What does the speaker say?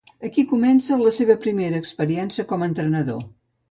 Aquí comença, la seva primera experiència com a entrenador.